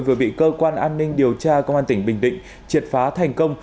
vừa bị cơ quan an ninh điều tra công an tỉnh bình định triệt phá thành công